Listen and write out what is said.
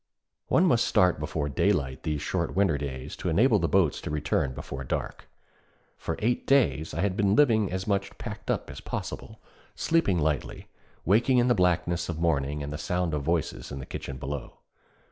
One must start before daylight these short winter days to enable the boats to return before dark. For eight days I had been living as much packed up as possible, sleeping lightly, waking in the blackness of morning at the sound of voices in the kitchen below.